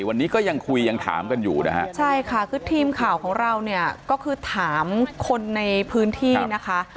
วันนี้ก็ยังคุยยังถามกันอยู่นะฮะใช่ค่ะคือทีมข่าวของเราเนี่ยก็คือถามคนในพื้นที่นะคะ